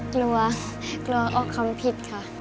กลัวออกคำผิดค่ะ